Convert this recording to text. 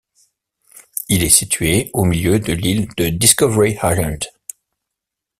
Il est situé au milieu de l'île de Discovery Island.